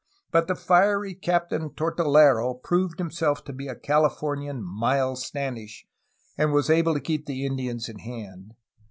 But the fiery Captain Tortolero proved himself to be a Califor nian Miles Standish, and was able to keep the Indians in hand.